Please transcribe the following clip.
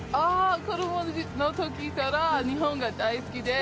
子供の時から日本が大好きで。